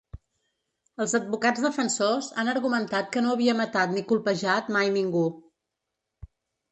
Els advocats defensors han argumentat que no havia matat ni colpejat mai ningú.